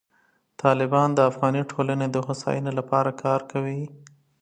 طالبان د افغاني ټولنې د هوساینې لپاره کار کوي.